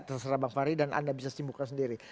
terserah bang fahri dan anda bisa simpulkan sendiri